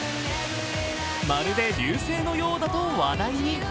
まるで流星のようだと話題に。